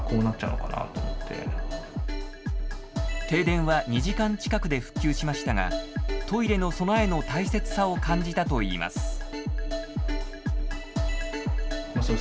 停電は２時間近くで復旧しましたがトイレの備えの大切さを感じたといいます。